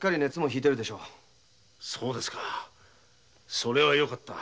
それはよかった。